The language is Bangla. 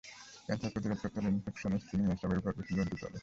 ক্যানসার প্রতিরোধ করতে হলে ইনফেকশন, স্ক্রিনিং—এসবের ওপর বেশি জোর দিতে হবে।